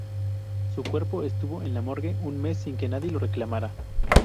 Su cuerpo estuvo en la morgue un mes sin que nadie lo reclamara.